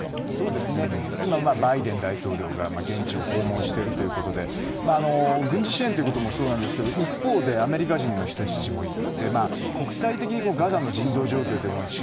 今はバイデン大統領が現地を訪問しているということで軍事支援ということもそうなんですが一方でアメリカ人の人質もいる。